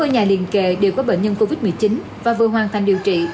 bốn mươi nhà liên kệ đều có bệnh nhân covid một mươi chín và vừa hoàn thành điều trị